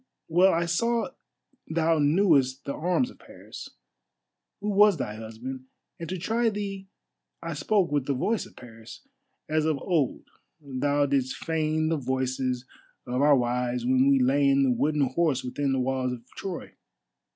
Well I saw thou knewest the arms of Paris, who was thy husband, and to try thee I spoke with the voice of Paris, as of old thou didst feign the voices of our wives when we lay in the wooden horse within the walls of Troy.